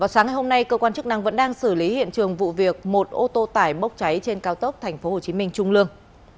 sáng ngày hôm nay cơ quan chức năng vẫn đang xử lý hiện trường vụ việc một ô tô tải bốc cháy trên cao tốc thành phố hồ chí minh trung lương